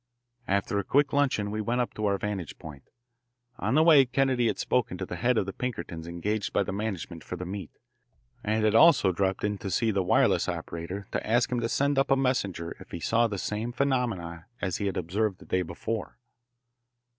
After a quick luncheon we went up to our vantage point. On the way Kennedy had spoken to the head of the Pinkertons engaged by the management for the meet, and had also dropped in to see the wireless operator to ask him to send up a messenger if he saw the same phenomena as he had observed the day before.